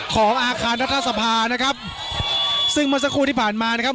ของอาคารรัฐสภานะครับซึ่งเมื่อสักครู่ที่ผ่านมานะครับ